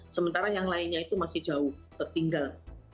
sementara yang lainnya itu masih jauh tertinggal